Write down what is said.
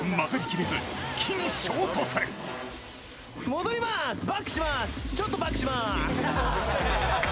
戻ります、ちょっとバックします。